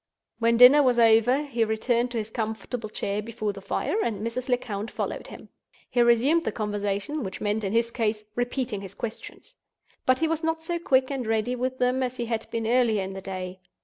When dinner was over, he returned to his comfortable chair before the fire, and Mrs. Lecount followed him. He resumed the conversation—which meant, in his case, repeating his questions. But he was not so quick and ready with them as he had been earlier in the day.